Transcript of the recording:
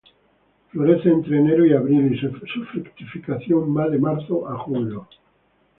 Florece entre enero y abril, y su fructificación va de marzo a julio.